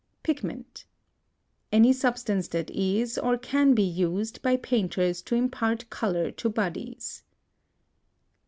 PIGMENT. Any substance that is or can be used by painters to impart color to bodies.